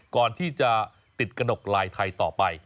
ก่อนที่จะติดกระหนกลายไทยต่อไป